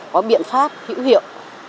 có biện pháp hữu hiệu